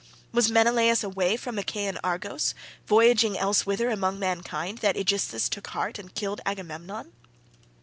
Was Menelaus away from Achaean Argos, voyaging elsewhither among mankind, that Aegisthus took heart and killed Agamemnon?"